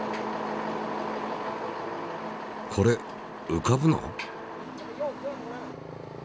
これうかぶの？